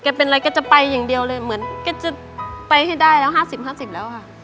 เป็นอะไรแกจะไปอย่างเดียวเลยเหมือนแกจะไปให้ได้แล้ว๕๐๕๐แล้วค่ะ